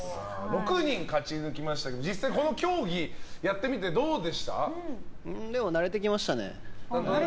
６人勝ち抜きましたけど実際この競技をでも、慣れてきましたね。